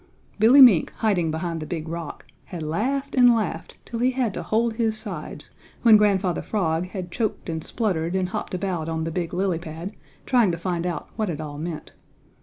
Billy Mink, hiding behind the Big Rock, had laughed and laughed till he had to hold his sides when Grandfather Frog had choked and spluttered and hopped about on the big lily pad trying to find out what it all meant.